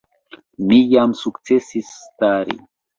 Mi jam sukcesis stari.